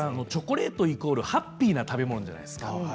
チョコレートイコールハッピーな食べ物じゃないですか。